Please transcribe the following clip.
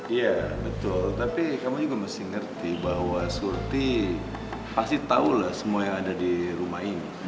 iya betul tapi kamu juga mesti ngerti bahwa surti pasti tahu lah semua yang ada di rumah ini